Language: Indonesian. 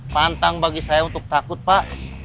pantang bagi saya untuk takut pak